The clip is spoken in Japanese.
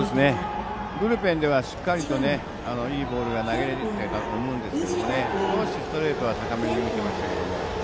ブルペンではしっかりといいボールが投げれてましたけど少しストレートが高めに浮いていましたけれども。